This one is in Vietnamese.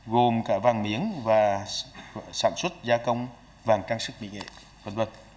gồm cả vàng miếng và sản xuất gia công vàng trang sức mỹ nghệ